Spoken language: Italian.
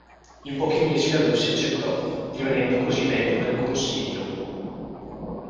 In pochi mesi la Russia accettò, divenendo così membro del Consiglio.